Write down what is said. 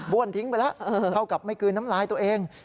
้วนทิ้งไปแล้วเท่ากับไม่กลืนน้ำลายตัวเอง